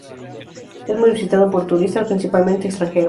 Es muy visitado por turistas, principalmente extranjeros.